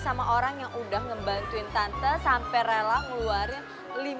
ada orang yang udah ngebantuin tante sampe rela ngeluarin lima m